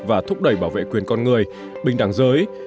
và thúc đẩy bảo vệ quyền con người bình đẳng giới